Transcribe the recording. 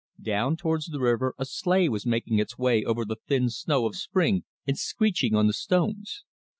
Down towards the river a sleigh was making its way over the thin snow of spring, and screeching on the stones.